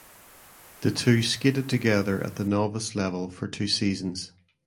The two skated together at the novice level for two seasons.